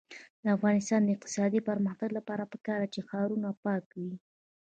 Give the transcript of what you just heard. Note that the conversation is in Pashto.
د افغانستان د اقتصادي پرمختګ لپاره پکار ده چې ښارونه پاک وي.